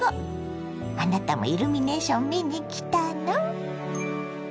あなたもイルミネーション見に来たの？